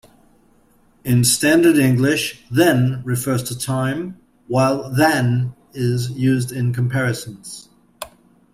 In standard English, "then" refers to time, while "than" is used in comparisons.